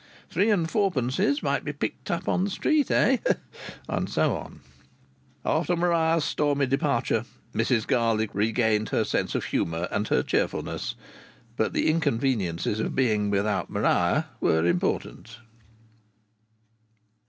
Three and fourpences might be picked up in the street, eh? And so on. After Maria's stormy departure Mrs Garlick regained her sense of humour and her cheerfulness; but the inconveniences of being without Maria were important.